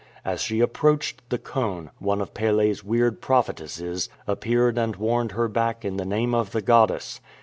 As she approached the cone, one of Pele's weird prophetesses appeared and warned her back in the name of the goddess.